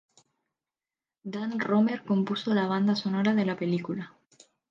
Dan Romer compuso la banda sonora de la película.